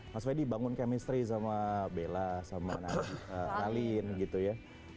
mas fedy bangun chemistry sama bella sama nalin gitu ya